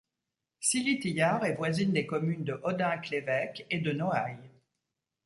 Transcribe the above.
Silly-Tillard est voisine des communes de Hodenc-l'Évêque et de Noailles.